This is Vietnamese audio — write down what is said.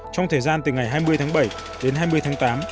trong thời gian từ ngày hai mươi tháng bảy đến hai mươi tháng tám